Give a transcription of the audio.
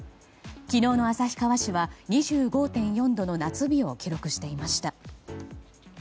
昨日の旭川市は２５．４度の夏日を記録していました。